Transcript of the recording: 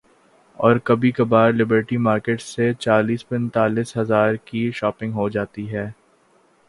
اورکبھی کبھار Liberty market سے چالیس پینتالیس ہزار کی شاپنگ ہو جاتی ہے۔